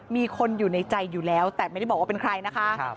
มีคนอยู่ในใจอยู่แล้วแต่ไม่ได้บอกว่าเป็นใครนะคะ